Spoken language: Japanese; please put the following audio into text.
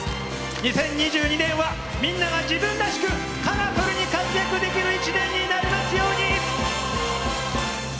２０２２年はみんなが自分らしくカラフルに活躍できる１年になりますように！